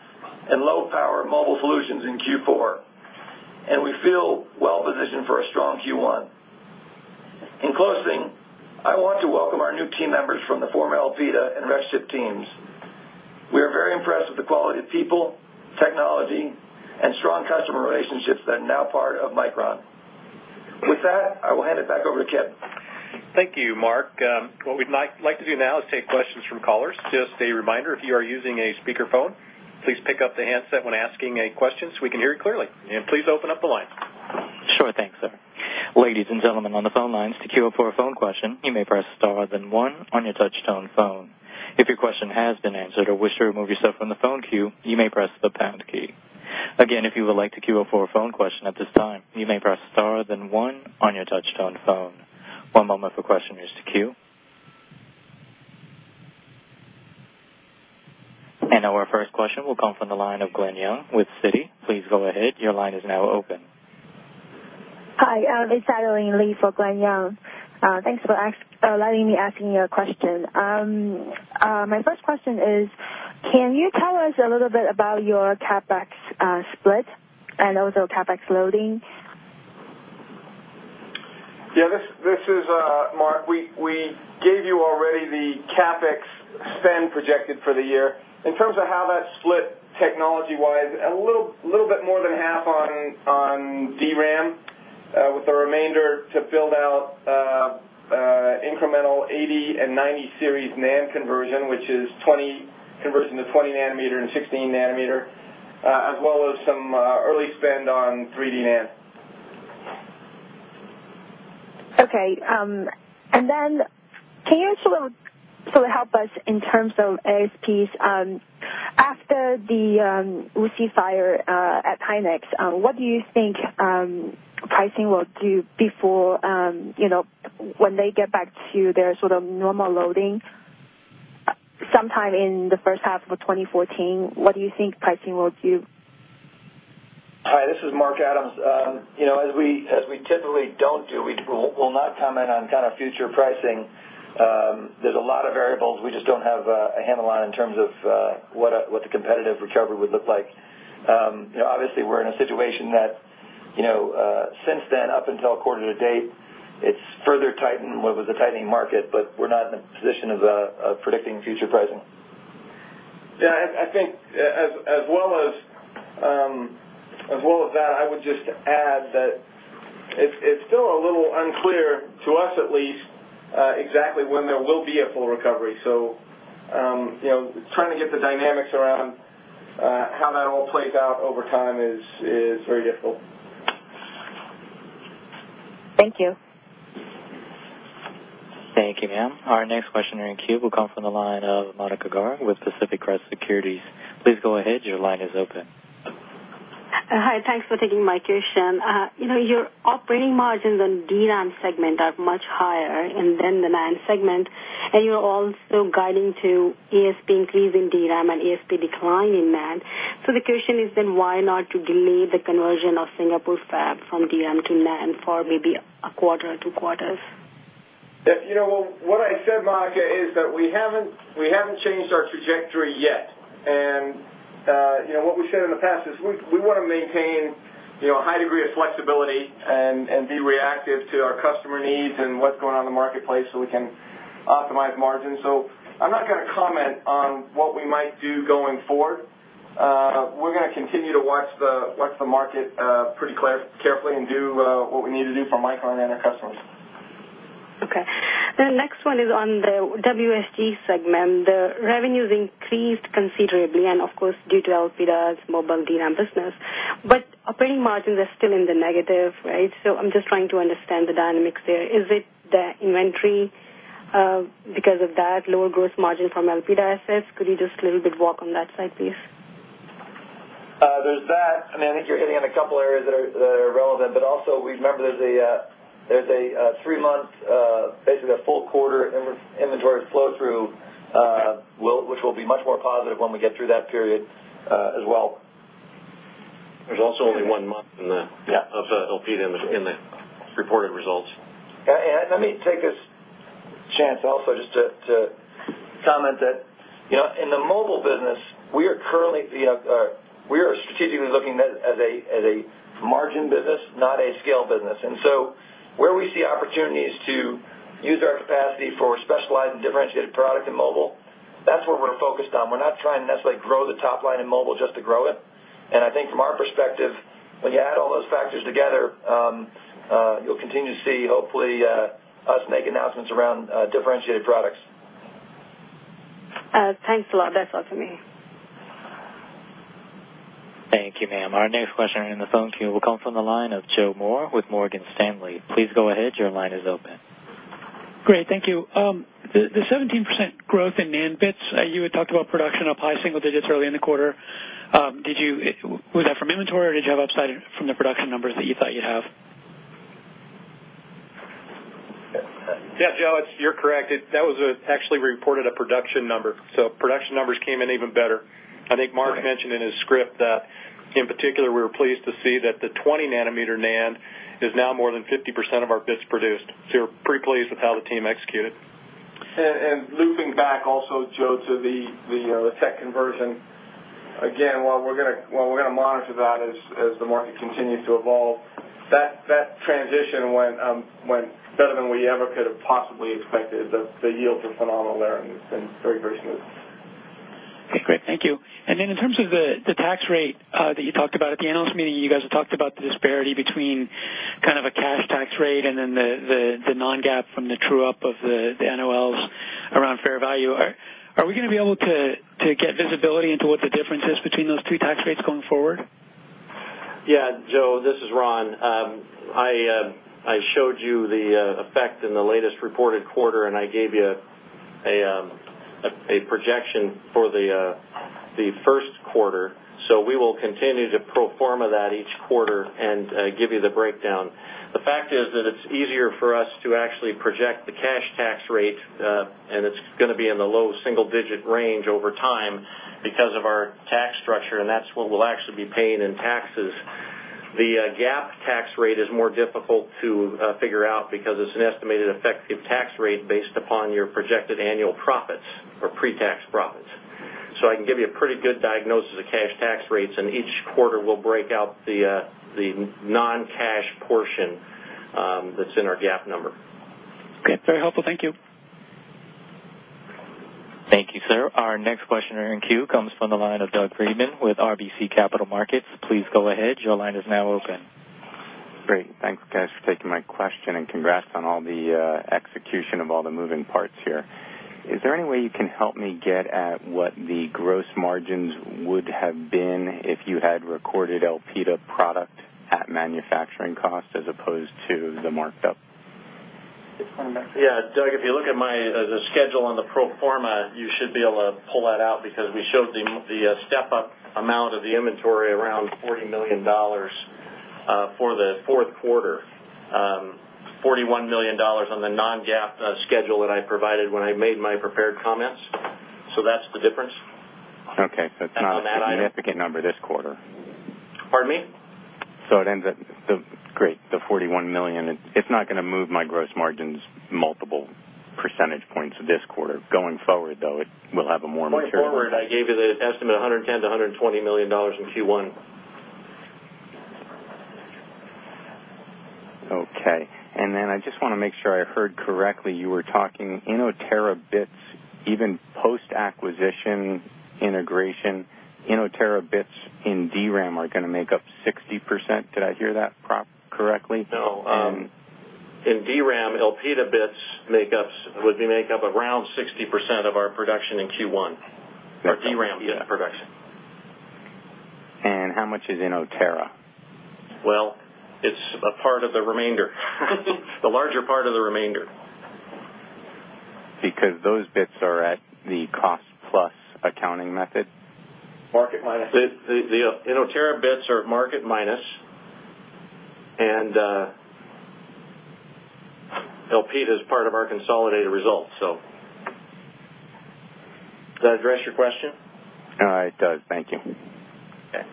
and low-power mobile solutions in Q4, we feel well-positioned for a strong Q1. In closing, I want to welcome our new team members from the former Elpida and Rexchip teams. We are very impressed with the quality of people, technology, and strong customer relationships that are now part of Micron. With that, I will hand it back over to Kip. Thank you, Mark. What we'd like to do now is take questions from callers. Just a reminder, if you are using a speakerphone, please pick up the handset when asking a question so we can hear it clearly, please open up the line. Sure thing, sir. Ladies and gentlemen on the phone lines, to queue up for a phone question, you may press star then one on your touch-tone phone. If your question has been answered or wish to remove yourself from the phone queue, you may press the pound key. Again, if you would like to queue up for a phone question at this time, you may press star then one on your touch-tone phone. One moment for questionnaires to queue. Our first question will come from the line of Glen Yeung with Citi. Please go ahead. Your line is now open. Hi, this is Adeline Lee for Glen Yeung. Thanks for letting me ask you a question. My first question is, can you tell us a little bit about your CapEx split and also CapEx loading? Yeah, this is Mark. We gave you already the CapEx spend projected for the year. In terms of how that's split technology-wise, a little bit more than half on DRAM, with the remainder to build out incremental 80 and 90 series NAND conversion, which is conversion to 20 nanometer and 16 nanometer, as well as some early spend on 3D NAND. Okay. Then can you sort of help us in terms of ASPs? After the Wuxi fire at SK hynix, what do you think pricing will do when they get back to their sort of normal loading, sometime in the first half of 2014, what do you think pricing will do? Hi, this is Mark Adams. As we typically don't do, we will not comment on kind of future pricing. There's a lot of variables. We just don't have a handle on in terms of what the competitive recovery would look like. Obviously, we're in a situation that, since then up until quarter to date, it's further tightened what was a tightening market, but we're not in a position of predicting future pricing. Yeah, I think as well as that, I would just add that it's still a little unclear, to us at least, exactly when there will be a full recovery. Trying to get the dynamics around how that all plays out over time is very difficult. Thank you. Thank you, ma'am. Our next questioner in queue will come from the line of Monika Garg with Pacific Crest Securities. Please go ahead, your line is open. Hi, thanks for taking my question. Your operating margins on DRAM segment are much higher than the NAND segment, and you're also guiding to ASP increase in DRAM and ASP decline in NAND. The question is then, why not delay the conversion of Singapore's fab from DRAM to NAND for maybe a quarter or two quarters? What I said, Monika, is that we haven't changed our trajectory yet. What we've said in the past is we want to maintain a high degree of flexibility and be reactive to our customer needs and what's going on in the marketplace so we can optimize margins. I'm not going to comment on what we might do going forward. We're going to continue to watch the market pretty carefully and do what we need to do for Micron and our customers. Okay. The next one is on the WSG segment. The revenues increased considerably. Of course, due to Elpida's mobile DRAM business. Operating margins are still in the negative, right? I'm just trying to understand the dynamics there. Is it the inventory because of that lower gross margin from Elpida assets? Could you just a little bit walk on that side, please? There's that. I think you're hitting on a couple areas that are relevant. Also remember, there's a three-month, basically a full quarter inventory flow-through, which will be much more positive when we get through that period as well. There's also only one month in the Yeah. Of Elpida in the reported results. Let me take this chance also just to comment that in the mobile business, we are strategically looking at it as a margin business, not a scale business. Where we see opportunities to use our capacity for specialized and differentiated product in mobile, that's where we're focused on. We're not trying to necessarily grow the top line in mobile just to grow it. I think from our perspective, when you add all those factors together, you'll continue to see, hopefully, us make announcements around differentiated products. Thanks a lot. That's all for me. Thank you, ma'am. Our next questioner in the phone queue will come from the line of Joseph Moore with Morgan Stanley. Please go ahead. Your line is open. Great. Thank you. The 17% growth in NAND bits, you had talked about production up high single digits early in the quarter. Was that from inventory, or did you have upside from the production numbers that you thought you'd have? Yeah, Joe, you're correct. That was actually reported a production number. Production numbers came in even better. I think Mark mentioned in his script that in particular, we were pleased to see that the 20 nanometer NAND is now more than 50% of our bits produced. We're pretty pleased with how the team executed. Looping back also, Joe, to the tech conversion. Again, while we're going to monitor that as the market continues to evolve, that transition went better than we ever could have possibly expected. The yields are phenomenal there, and it's been very smooth. Okay, great. Thank you. In terms of the tax rate that you talked about at the analyst meeting, you guys had talked about the disparity between kind of a cash tax rate and then the non-GAAP from the true-up of the NOLs around fair value. Are we going to be able to get visibility into what the difference is between those two tax rates going forward? Yeah. Joe, this is Ron. I showed you the effect in the latest reported quarter, and I gave you a projection for the first quarter. We will continue to pro forma that each quarter and give you the breakdown. The fact is that it's easier for us to actually project the cash tax rate, and it's going to be in the low single-digit range over time because of our tax structure, and that's what we'll actually be paying in taxes. The GAAP tax rate is more difficult to figure out because it's an estimated effective tax rate based upon your projected annual profits or pre-tax profits. I can give you a pretty good diagnosis of cash tax rates, and each quarter we'll break out the non-cash portion that's in our GAAP number. Okay. Very helpful. Thank you. Thank you, sir. Our next questioner in queue comes from the line of Doug Freedman with RBC Capital Markets. Please go ahead. Your line is now open. Great. Thanks, guys, for taking my question and congrats on all the execution of all the moving parts here. Is there any way you can help me get at what the gross margins would have been if you had recorded Elpida product at manufacturing cost as opposed to the markup? Yeah, Doug, if you look at the schedule on the pro forma, you should be able to pull that out because we showed the step-up amount of the inventory around $40 million for the fourth quarter, $41 million on the non-GAAP schedule that I provided when I made my prepared comments. That's the difference. Okay. On that item. It's not a significant number this quarter. Pardon me? It ends at Great. The $41 million, it's not going to move my gross margins multiple percentage points this quarter. Going forward, though, it will have a more material. Going forward, I gave you the estimate $110 million-$120 million in Q1. Okay. I just want to make sure I heard correctly. You were talking Inotera bits, even post-acquisition integration, Inotera bits in DRAM are going to make up 60%. Did I hear that correctly? No. In DRAM, Elpida bits would make up around 60% of our production in Q1. Our DRAM production. How much is Inotera? Well, it's a part of the remainder. The larger part of the remainder. Those bits are at the cost-plus accounting method? Market minus. The Inotera bits are at market minus, and Elpida is part of our consolidated results. Does that address your question? It does. Thank you. Okay.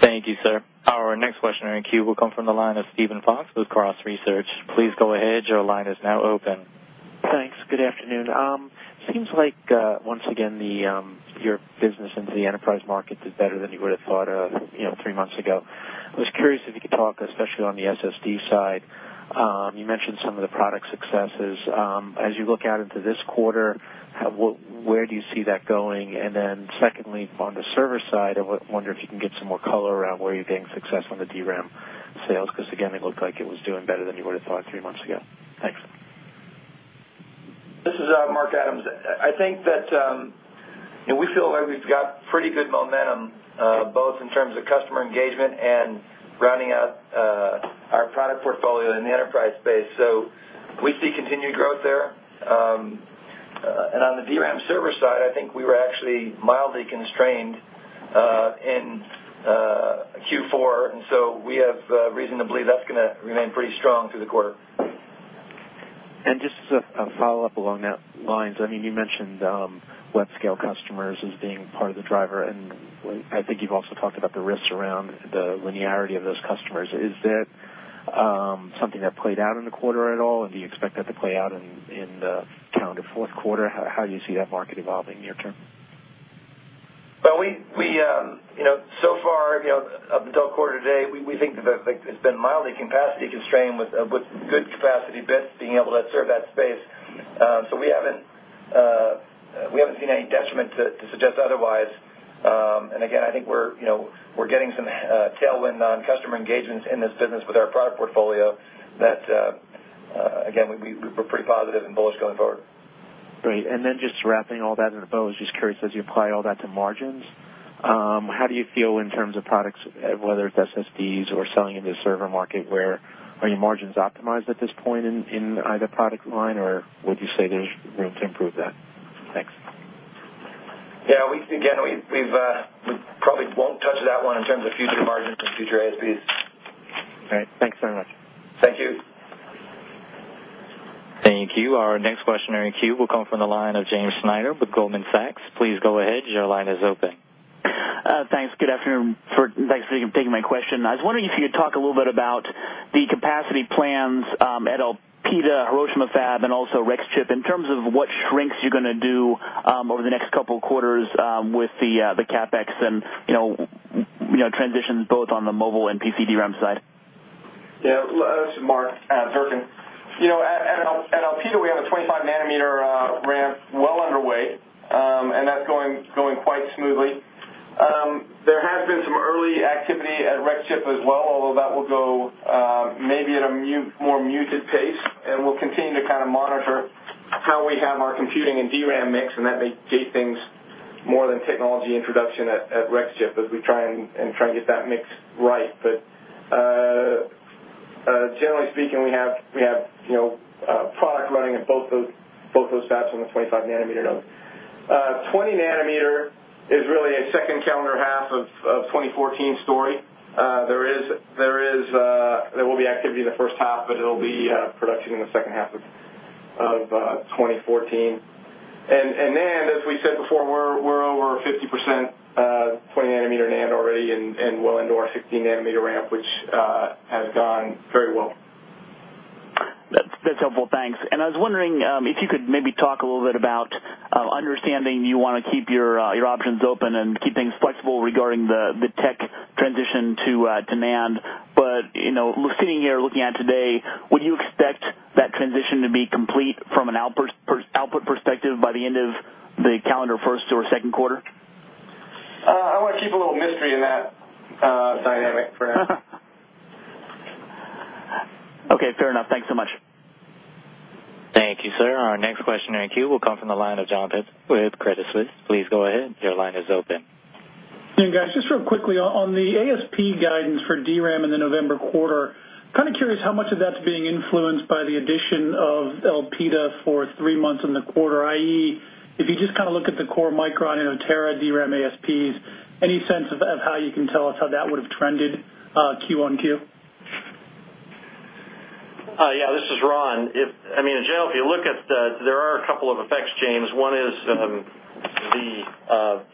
Thank you, sir. Our next questioner in queue will come from the line of Steven Fox with Cross Research. Please go ahead. Your line is now open. Thanks. Good afternoon. Seems like, once again, your business into the enterprise market did better than you would've thought of three months ago. I was curious if you could talk, especially on the SSD side. You mentioned some of the product successes. As you look out into this quarter, where do you see that going? Secondly, on the server side, I wonder if you can give some more color around where you're getting success on the DRAM sales, again, it looked like it was doing better than you would've thought three months ago. Thanks. This is Mark Adams. I think that we feel like we've got pretty good momentum, both in terms of customer engagement and rounding out our product portfolio in the enterprise space. We see continued growth there. On the DRAM server side, I think we were actually mildly constrained in Q4. We have reason to believe that's going to remain pretty strong through the quarter. Just as a follow-up along that line, you mentioned web scale customers as being part of the driver, and I think you've also talked about the risks around the linearity of those customers. Is that something that played out in the quarter at all? Do you expect that to play out in the calendar fourth quarter? How do you see that market evolving near-term? Far, up until quarter to date, we think that it's been mildly capacity constrained with good capacity bits being able to serve that space. We haven't seen any detriment to suggest otherwise. Again, I think we're getting some tailwind on customer engagements in this business with our product portfolio that, again, we're pretty positive and bullish going forward. Great. Then just wrapping all that into a bow, I was just curious, as you apply all that to margins, how do you feel in terms of products, whether it's SSDs or selling into the server market, are your margins optimized at this point in either product line, or would you say there's room to improve that? Thanks. Yeah. We probably won't touch that one in terms of future margins and future ASPs. All right. Thanks very much. Thank you. Thank you. Our next questioner in queue will come from the line of James Snyder with Goldman Sachs. Please go ahead. Your line is open. Thanks. Good afternoon. Thanks for taking my question. I was wondering if you could talk a little bit about the capacity plans at Elpida Hiroshima Fab and also Rexchip in terms of what shrinks you're going to do over the next couple of quarters with the CapEx and transitions both on the mobile and PC DRAM side. This is Mark Durcan. At Elpida, we have a 25-nanometer ramp well underway, that's going quite smoothly. There has been some early activity at Rexchip as well, although that will go maybe at a more muted pace, we'll continue to monitor how we have our computing and DRAM mix, that may gate things more than technology introduction at Rexchip as we try and get that mix right. Generally speaking, we have a product running at both those fabs on the 25-nanometer node. 20-nanometer is really a second calendar half of 2014 story. There will be activity in the first half, but it'll be production in the second half of 2014. NAND, as we said before, we're over 50% 20-nanometer NAND already and well into our 15-nanometer ramp, which has gone very well. That's helpful. Thanks. I was wondering if you could maybe talk a little bit about understanding you want to keep your options open and keep things flexible regarding the tech transition to NAND. Sitting here looking at today, would you expect that transition to be complete from an output perspective by the end of the calendar first or second quarter? I want to keep a little mystery in that dynamic for now. Okay, fair enough. Thanks so much. Thank you, sir. Our next question in our queue will come from the line of Jonathan with Credit Suisse. Please go ahead. Your line is open. Hey, guys, just real quickly, on the ASP guidance for DRAM in the November quarter, kind of curious how much of that's being influenced by the addition of Elpida for three months in the quarter, i.e., if you just look at the core Micron and Inotera DRAM ASPs, any sense of how you can tell us how that would've trended Q on Q? Yeah, this is Ron. In general, if you look at, there are a couple of effects, James, or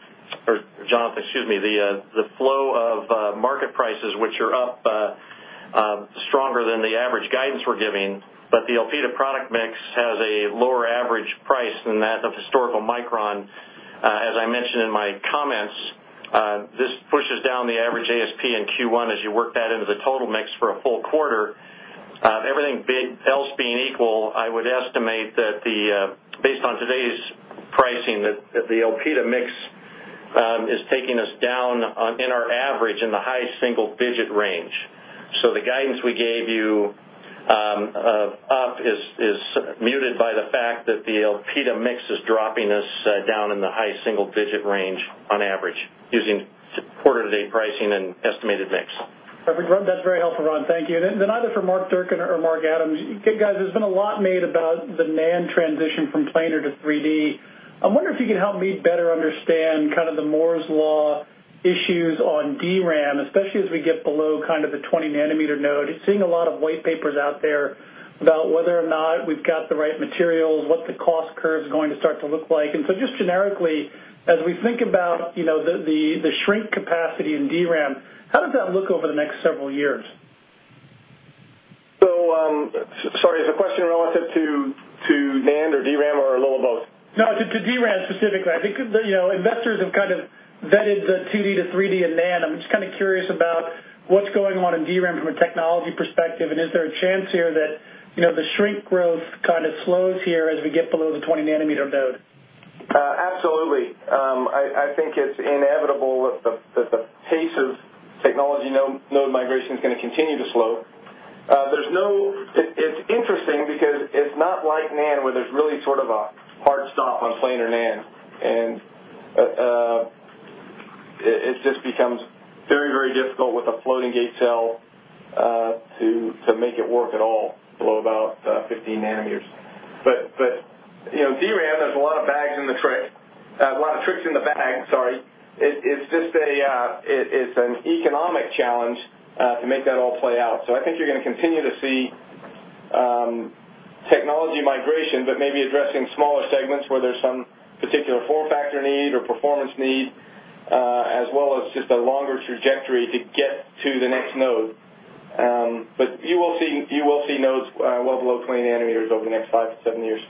Jonathan, excuse me. One is the flow of market prices, which are up stronger than the average guidance we're giving. The Elpida product mix has a lower average price than that of historical Micron. As I mentioned in my comments, this pushes down the average ASP in Q1 as you work that into the total mix for a full quarter. Everything big else being equal, I would estimate that based on today's pricing, that the Elpida mix is taking us down on in our average in the high single-digit range. The guidance we gave you up is muted by the fact that the Elpida mix is dropping us down in the high single-digit range on average using quarter-to-date pricing and estimated mix. Perfect. That's very helpful, Ron. Thank you. Either for Mark Durcan or Mark Adams. Guys, there's been a lot made about the NAND transition from planar to 3D. I'm wondering if you could help me better understand the Moore's law issues on DRAM, especially as we get below the 20-nanometer node. Seeing a lot of white papers out there about whether or not we've got the right materials, what the cost curve's going to start to look like. Just generically, as we think about the shrink capacity in DRAM, how does that look over the next several years? Sorry, is the question relative to NAND or DRAM or a little of both? No, to DRAM specifically. I think investors have vetted the 2D to 3D and NAND. I am just curious about what is going on in DRAM from a technology perspective, and is there a chance here that the shrink growth slows here as we get below the 20-nanometer node? Absolutely. I think it is inevitable that the pace of technology node migration is going to continue to slow. It is interesting because it is not like NAND, where there is really sort of a hard stop on planar NAND, and it just becomes very difficult with a floating gate cell to make it work at all below about 15 nanometers. DRAM, there is a lot of tricks in the bag. It is an economic challenge to make that all play out. I think you are going to continue to see technology migration, but maybe addressing smaller segments where there is some particular form factor need or performance need, as well as just a longer trajectory to get to the next node. You will see nodes well below 20 nanometers over the next five to seven years.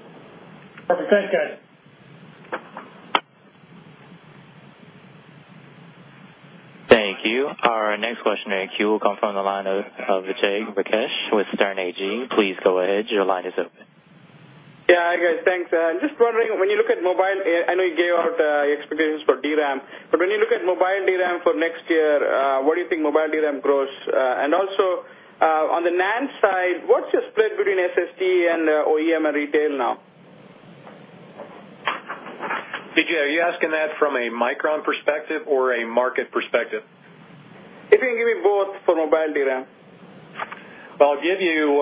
Perfect. Thanks, guys. Thank you. Our next question in our queue will come from the line of Vijay Rakesh with Sterne Agee. Please go ahead. Your line is open. Yeah, hi, guys. Thanks. Just wondering, when you look at mobile, I know you gave out your expectations for DRAM, but when you look at mobile DRAM for next year, where do you think mobile DRAM grows? Also, on the NAND side, what's your split between SSD and OEM and retail now? Vijay, are you asking that from a Micron perspective or a market perspective? If you can give me both for mobile DRAM. I'll give you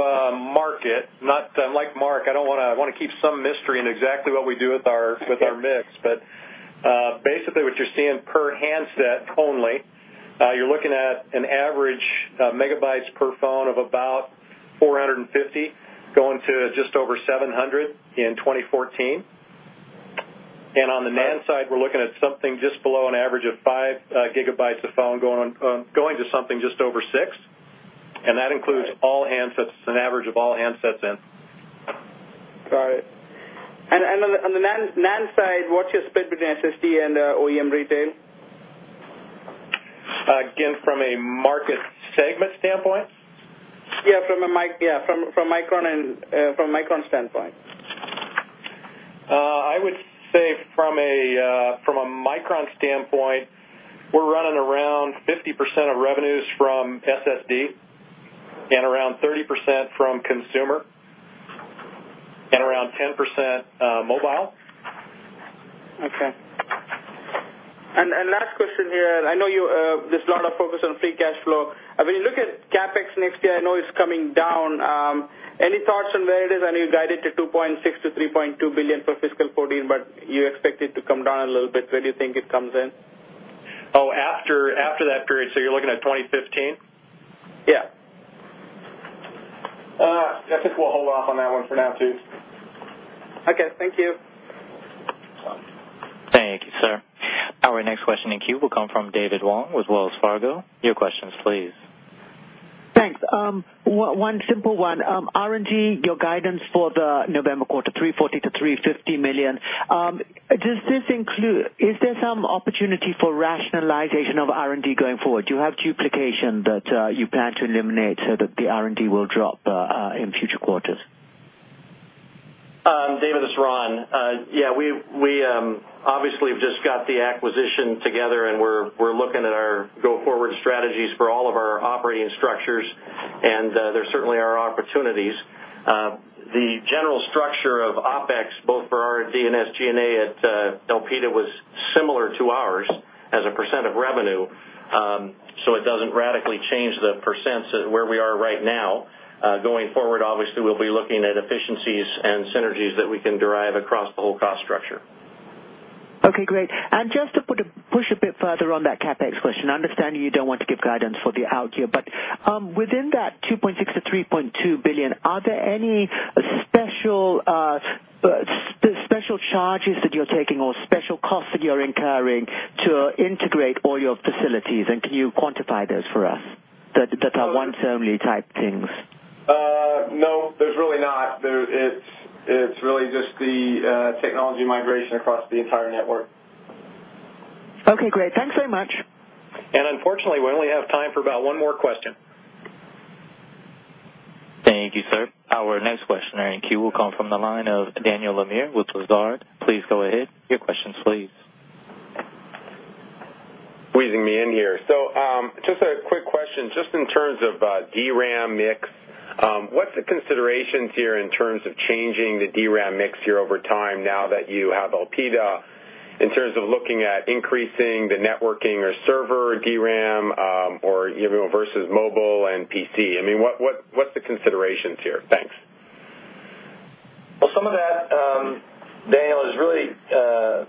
market, unlike Mark, I want to keep some mystery in exactly what we do with our mix. Basically what you're seeing per handset only, you're looking at an average megabytes per phone of about 450 going to just over 700 in 2014. On the NAND side, we're looking at something just below an average of five gigabytes a phone going to something just over six. That includes all handsets. It's an average of all handsets. NAND side, what's your split between SSD and OEM retail? Again, from a market segment standpoint? Yeah, from Micron standpoint. I would say from a Micron standpoint, we're running around 50% of revenues from SSD and around 30% from consumer and around 10% mobile. Okay. Last question here, I know you, there's a lot of focus on free cash flow. When you look at CapEx next year, I know it's coming down. Any thoughts on where it is? I know you guided to $2.6 billion-$3.2 billion for FY 2014, you expect it to come down a little bit. Where do you think it comes in? After that period. You're looking at 2015? Yeah. I think we'll hold off on that one for now, too. Okay. Thank you. Thank you, sir. Our next question in queue will come from David Wong with Wells Fargo. Your questions, please. Thanks. One simple one. R&D, your guidance for the November quarter, $340 million-$350 million. Is there some opportunity for rationalization of R&D going forward? Do you have duplication that you plan to eliminate so that the R&D will drop in future quarters? David, this is Ron. Yeah, we obviously have just got the acquisition together, and we're looking at our go-forward strategies for all of our operating structures, and there certainly are opportunities. The general structure of OpEx, both for R&D and SG&A at Elpida, was similar to ours as a percent of revenue, so it doesn't radically change the percents of where we are right now. Going forward, obviously, we'll be looking at efficiencies and synergies that we can derive across the whole cost structure. Okay, great. Just to push a bit further on that CapEx question, I understand you don't want to give guidance for the out year, but within that $2.6 billion-$3.2 billion, are there any special charges that you're taking or special costs that you're incurring to integrate all your facilities? Can you quantify those for us, that are one-time type things? No, there's really not. It's really just the technology migration across the entire network. Okay, great. Thanks very much. Unfortunately, we only have time for about one more question. Thank you, sir. Our next question in queue will come from the line of Daniel Amir with Lazard. Please go ahead. Your questions, please. Squeezing me in here. Just a quick question, just in terms of DRAM mix. What's the considerations here in terms of changing the DRAM mix here over time now that you have Elpida, in terms of looking at increasing the networking or server DRAM or even versus mobile and PC? I mean, what's the considerations here? Thanks. Well, some of that, Daniel, is really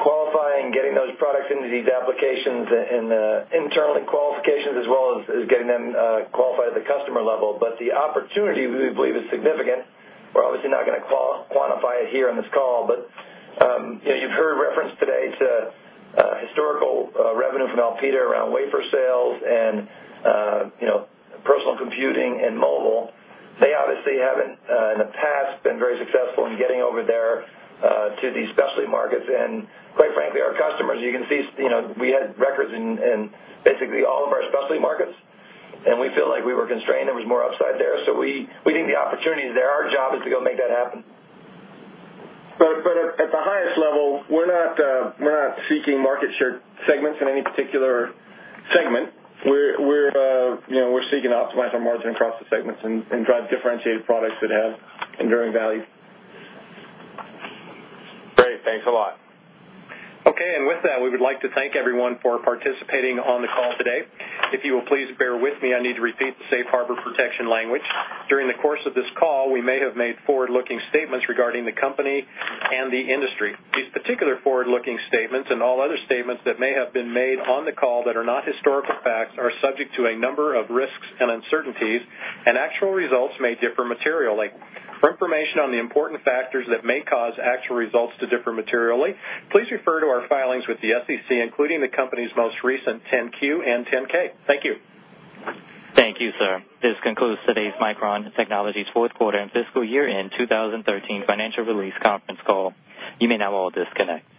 qualifying, getting those products into these applications, and internal qualifications as well as getting them qualified at the customer level. The opportunity, we believe, is significant. We're obviously not going to quantify it here on this call, but you've heard reference today to historical revenue from Elpida around wafer sales and personal computing and mobile. They obviously haven't, in the past, been very successful in getting over there to these specialty markets. Quite frankly, our customers, you can see we had records in basically all of our specialty markets, and we feel like we were constrained. There was more upside there. We think the opportunity is there. Our job is to go make that happen. At the highest level, we're not seeking market share segments in any particular segment. We're seeking to optimize our margin across the segments and drive differentiated products that have enduring value. Great. Thanks a lot. With that, we would like to thank everyone for participating on the call today. If you will please bear with me, I need to repeat the safe harbor protection language. During the course of this call, we may have made forward-looking statements regarding the company and the industry. These particular forward-looking statements and all other statements that may have been made on the call that are not historical facts are subject to a number of risks and uncertainties. Actual results may differ materially. For information on the important factors that may cause actual results to differ materially, please refer to our filings with the SEC, including the company's most recent 10-Q and 10-K. Thank you. Thank you, sir. This concludes today's Micron Technology's fourth quarter and fiscal year-end 2013 financial release conference call. You may now all disconnect.